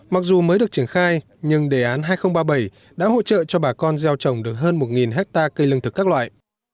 mặc dù mới được triển khai nhưng đề án hai nghìn ba mươi bảy đã hỗ trợ cho bà con gieo trồng được hơn một hectare cây lương thực các loại